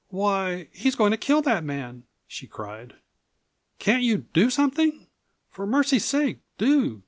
"Why, he's going to kill that man!" she cried. "Can't you do something? For mercy's sake do!